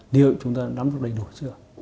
điều chúng ta đã nắm được đầy đủ chưa